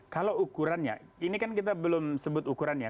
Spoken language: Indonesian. kalau ukurannya ini kan kita belum sebut ukurannya